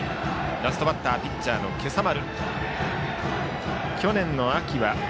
ラストバッターピッチャーの今朝丸。